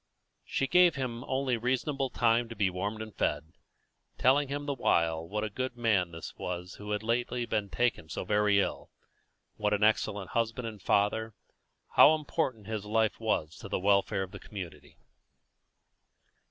She gave him only reasonable time to be warmed and fed, telling him the while what a good man this was who had lately been taken so very ill, what an excellent husband and father, how important his life was to the welfare of the community.